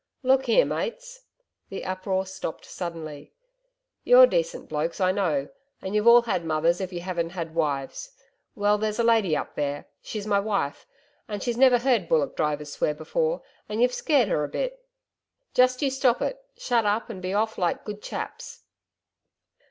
'Look here, mates.' The uproar stopped suddenly. 'You're decent blokes I know, and you've all had mothers if you haven't had wives. Well, there's a lady up there she's my wife, and she's never heard bullock drivers swear before, and you've scared her a bit. Just you stop it. Shut up and be off like good chaps.'